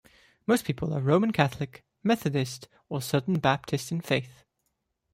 Most people are Roman Catholic, Methodist, or Southern Baptist in faith.